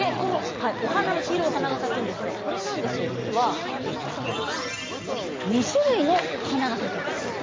お花の黄色いお花が咲くんですがこれは、実は２種類の花が咲きます。